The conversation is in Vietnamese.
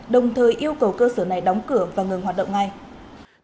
đồng thời yêu cầu cơ sở này đóng cửa và ngừng hoạt động ngay